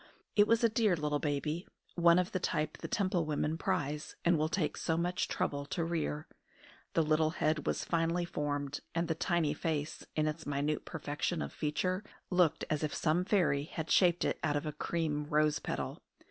It was a dear little baby, one of the type the Temple women prize, and will take so much trouble to rear. The little head was finely formed, and the tiny face, in its minute perfection of feature, looked as if some fairy had shaped it out of a cream rose petal.